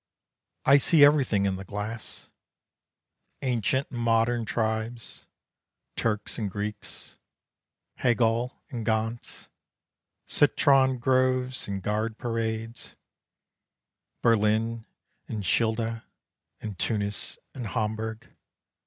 I see everything in the glass, Ancient and modern tribes, Turks and Greeks, Hegel and Gans, Citron groves and guard parades, Berlin and Schilda, and Tunis and Hamburg.